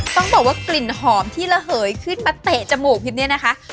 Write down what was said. ต้องบอกว่ากลิ่นหอมที่ระเหยขึ้นมาเตะจมูกพิมเนี่ยนะคะ